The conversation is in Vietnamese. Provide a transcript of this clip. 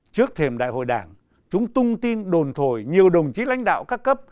trước thềm đại hội đảng chúng tung tin đồn thổi nhiều đồng chí lãnh đạo các cấp